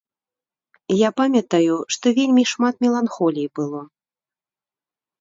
Я памятаю, што вельмі шмат меланхоліі было.